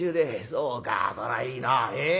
「そうかそらいいな。え？